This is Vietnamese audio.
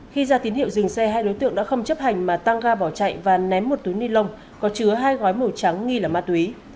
khi ra tín hiệu dừng xe hai đối tượng đã không chấp hành mà tăng ga bỏ chạy và ném một túi ni lông có chứa hai gói màu trắng nghi là ma túy